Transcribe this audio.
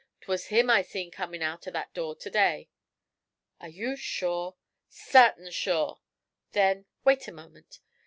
'Twas him I seen come out of that door to day.' 'Are you sure?' 'Sartin sure!' 'Then wait one moment.